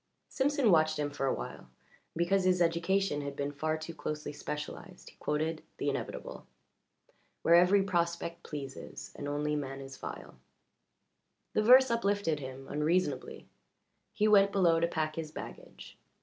Simpson watched him for a while, and because his education had been far too closely specialized he quoted the inevitable: "Where every prospect pleases, And only man is vile" The verse uplifted him unreasonably. He went below to pack his baggage.